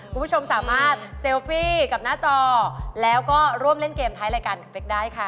คุณผู้ชมสามารถเซลฟี่กับหน้าจอแล้วก็ร่วมเล่นเกมท้ายรายการกับเป๊กได้ค่ะ